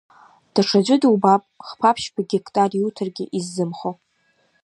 Даҽаӡәы дубап хԥа-ԥшьба гектар иуҭаргьы иззымхо.